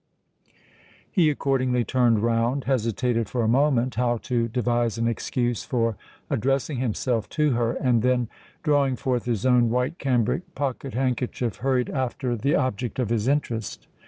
He accordingly turned round—hesitated for a moment how to devise an excuse for addressing himself to her—and then, drawing forth his own white cambric pocket handkerchief, hurried after the object of his interest.